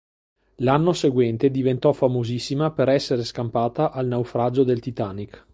L'anno seguente diventò famosissima per essere scampata al naufragio del Titanic.